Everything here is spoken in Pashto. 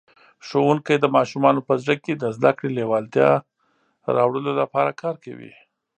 ښوونکی د ماشومانو په زړه کې د زده کړې لېوالتیا راوړلو لپاره کار کوي.